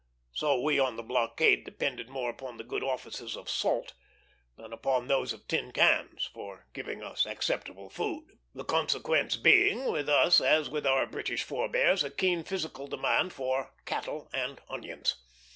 So we on the blockade depended more upon the good offices of salt than upon those of tin cans, for giving us acceptable food; the consequence being, with us as with our British forebears, a keen physical demand for "cattle and onions."